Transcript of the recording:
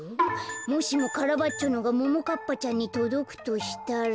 もしもカラバッチョのがももかっぱちゃんにとどくとしたら。